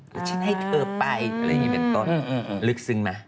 หรือฉันให้เธอไปอะไรอย่างงี้เป็นต้นลึกซึ้งมั้ย